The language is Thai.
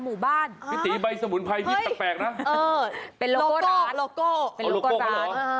ผู้บ้านพี่ตีใบสมุนไพรพี่ตะแปลกนะเออเป็นโลโก้โลโก้โลโก้เขาเหรอ